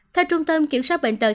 theo trung tâm kiểm soát bệnh tật